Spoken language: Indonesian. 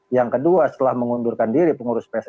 yang kedua setelah mengundurkan diri pengurus pssi